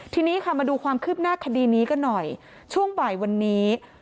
ทีนี้ค่ะมาดูความคืบหน้าคดีนี้กันหน่อยช่วงบ่ายวันนี้